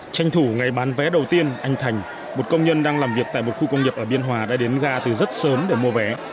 tranh thủ ngày bán vé đầu tiên anh thành một công nhân đang làm việc tại một khu công nghiệp ở biên hòa đã đến ga từ rất sớm để mua vé